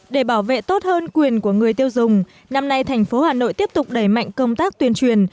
để bảo vệ tốt hơn quyền của người tiêu dùng năm nay thành phố hà nội tiếp tục đẩy mạnh công tác tuyên truyền